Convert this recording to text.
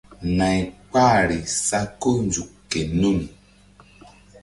Nay kpahri sa ko nzuk ke nun.